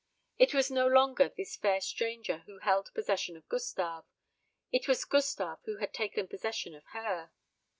It was no longer this fair stranger who held possession of Gustave; it was Gustave who had taken possession of her.